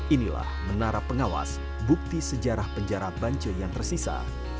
inilah menara pengawas bukti sejarah penjara banco yang tersisa